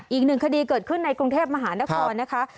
อีกหนึ่งคดีเกิดขึ้นในกรุงเทพมหานครนะคะ